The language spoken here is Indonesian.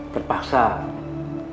pertama kalinya kalian bikin masalah